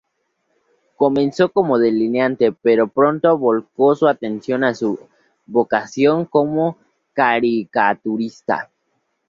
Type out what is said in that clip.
Comenzó como delineante, pero pronto volcó su atención a su vocación como caricaturista.